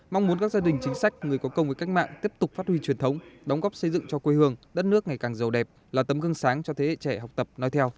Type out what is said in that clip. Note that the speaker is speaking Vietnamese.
mong muốn các gia đình chính sách người có công với cách mạng tiếp tục phát huy truyền thống đóng góp xây dựng cho quê hương đất nước ngày càng giàu đẹp là tấm gương sáng cho thế hệ trẻ học tập nói theo